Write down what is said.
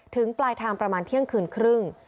ปลายทางประมาณเที่ยงคืนครึ่ง